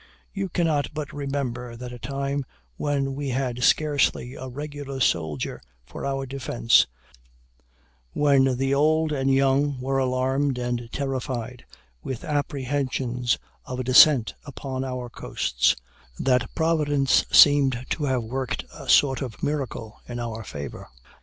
You cannot but remember that a time when we had scarcely a regular soldier for our defence when the old and young were alarmed and terrified with apprehensions of a descent upon our coasts that Providence seemed to have worked a sort of miracle in our favor.